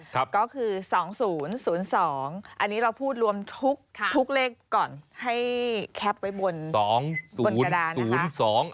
ก็คือ๒๐๐๒อันนี้เราพูดรวมทุกเลขก่อนให้แคปไว้บนกระดานนะคะ